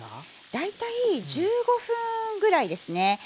大体１５分ぐらいですね。